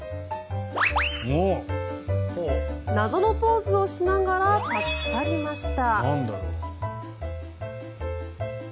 謎のポーズをしながら立ち去りました。